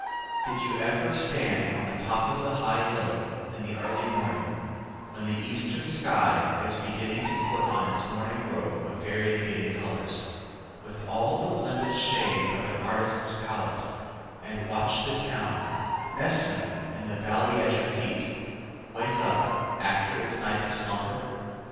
Did you ever stand on the top of a high hill in the early morning, when the eastern sky is beginning to put on its morning robe of variegated colors, with all the blended shades of an artist's palette, and watch the town, nestling in the valley at your feet, wake up after its night of slumber?